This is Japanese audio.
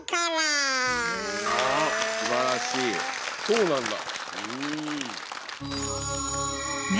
そうなんだ。